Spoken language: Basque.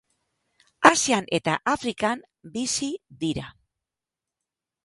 Asian eta Afrikan bizi dira.